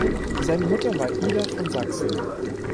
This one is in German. Seine Mutter war Ida von Sachsen.